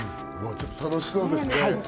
ちょっと楽しそうですね